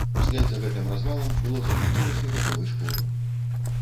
Услед за гэтым развалам было закрыццё васьмігадовай школы.